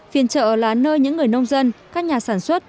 phiên chợ là nơi những người nông dân các nhà sản xuất